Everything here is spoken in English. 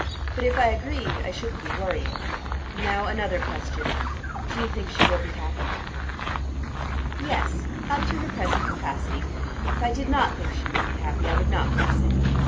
"But if I agreed, I shouldn't be worrying. Now another question: Do you think she will be happy?" "Yes, up to her present capacity. If I did not think she would be happy, I would not bless it.